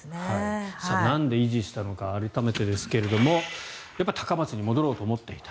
なんで維持したのか改めてですが高松に戻ろうと思っていた。